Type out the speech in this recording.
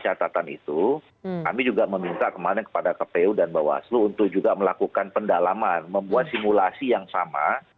catatan itu kami juga meminta kemarin kepada kpu dan bawaslu untuk juga melakukan pendalaman membuat simulasi yang sama